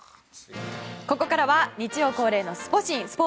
ここから日曜恒例のスポ